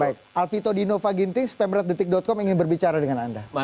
baik alfito dinova ginting spemret detik com ingin berbicara dengan anda